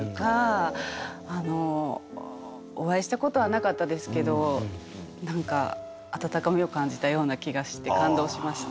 あのお会いしたことはなかったですけど何か温かみを感じたような気がして感動しました。